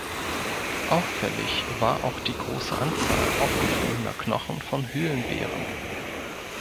Auffällig war auch die große Anzahl aufgefundener Knochen von Höhlenbären.